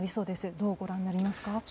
どうご覧になりますか？